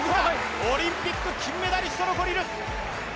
オリンピック金メダリストのコリル！